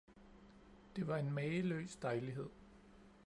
det var en mageløs dejlighed!